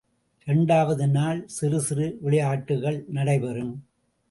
இரண்டாவது நாள் சிறு சிறு விளையாட்டுக்கள் நடைபெறும்.